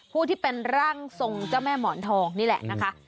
ผู้ที่เป็นร่างทรงเจ้าแม่หมอนทองนี่แหละนะคะ